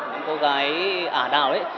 những cô gái ả đào ấy